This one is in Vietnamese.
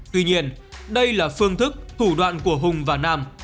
tuy nhiên đây là phương thức thủ đoạn của hùng và nam